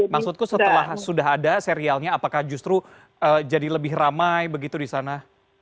maksudku setelah sudah ada serialnya apakah justru jadi lebih ramai begitu di sana